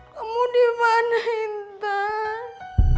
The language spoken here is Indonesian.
kamu dimana intan